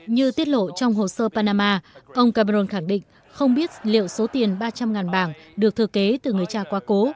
như tiết lộ trong hồ sơ panama ông cabron khẳng định không biết liệu số tiền ba trăm linh bảng được thừa kế từ người cha quá cố